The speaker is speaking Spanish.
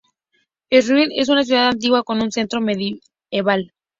Eisenberg es una ciudad antigua con un centro medieval.